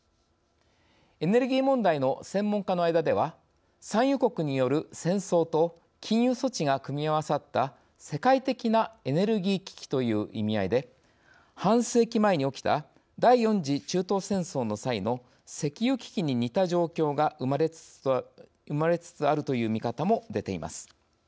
エネルギー問題の専門家の間では産油国による戦争と禁輸措置が組み合わさった世界的なエネルギー危機という意味合いで半世紀前に起きた第４次中東戦争の際の石油危機に似た状況が生まれつつあるという見方も出ています。